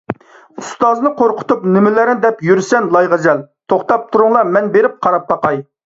ئۇستازنى قورقۇتۇپ نېمىلەرنى دەپ يۈرىسەن، لايغەزەل! توختاپ تۇرۇڭلار، مەن بېرىپ قاراپ باقاي.